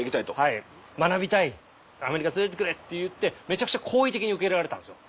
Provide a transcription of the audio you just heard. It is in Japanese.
はい「学びたいアメリカ連れてってくれ」って言ってめちゃくちゃ好意的に受け入れられたんですよ。